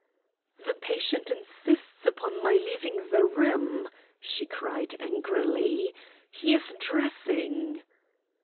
"The patient insists upon my leaving the room," she cried angrily. "He is dressing."